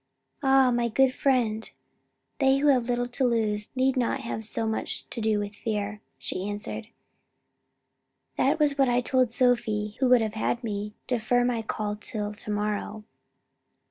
"Ah, my good friend, they who have little to lose, need not have much to do with fear," she answered. "That was what I told Sophie who would have had me defer my call till to morrow."